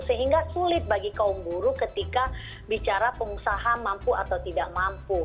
sehingga sulit bagi kaum buruh ketika bicara pengusaha mampu atau tidak mampu